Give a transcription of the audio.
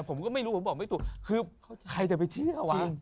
ผมก็ไม่รู้ผมบอกไม่ถูกคือใครจะไปเชื่อวะ